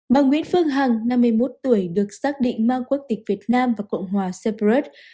bà nguyễn phương hằng năm mươi một tuổi được xác định mang quốc tịch việt nam và cộng hòa sepress